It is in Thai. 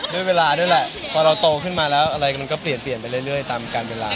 ด้วยเวลาด้วยแหละพอเราโตขึ้นมาแล้วอะไรมันก็เปลี่ยนเปลี่ยนไปเรื่อยตามการเวลา